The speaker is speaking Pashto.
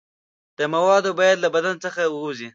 دا مواد باید له بدن څخه ووځي.